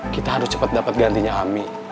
kita harus cepat dapat gantinya ami